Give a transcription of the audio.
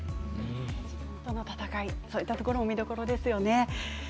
自分との闘いそういったところも見どころですよね。